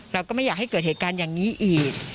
เราก็ไม่อยากให้เกิดเหตุการณ์อย่างนี้อีก